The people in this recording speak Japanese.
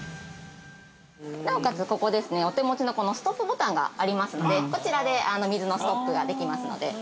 ◆なおかつ、ここですね、お手持ちのストップボタンがありますので、こちらで水のストップができますので。